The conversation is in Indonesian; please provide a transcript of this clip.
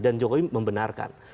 dan jokowi membenarkan